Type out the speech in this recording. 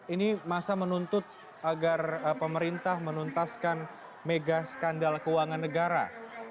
ini masa menuntut agar pemerintah menuntaskan mega skandal keuangan negara